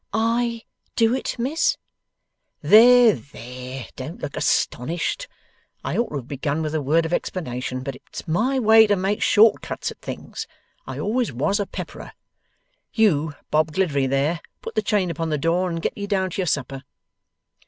'I do it, Miss!' 'There, there. Don't look astonished. I ought to have begun with a word of explanation, but it's my way to make short cuts at things. I always was a pepperer. You Bob Gliddery there, put the chain upon the door and get ye down to your supper.